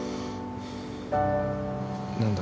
何だ？